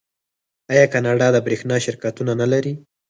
آیا کاناډا د بریښنا شرکتونه نلري؟